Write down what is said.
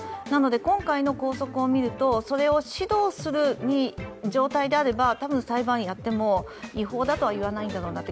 今回の校則をみるとそれを指導する状態であれば、多分、裁判員であっても違法だとは言わないだろうなと。